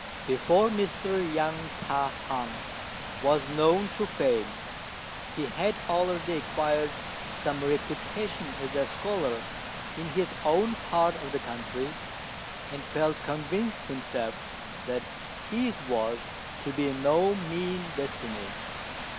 Before Mr. Yang Ta hung was known to fame, he had already acquired some reputation as a scholar in his own part of the country, and felt convinced himself that his was to be no mean destiny.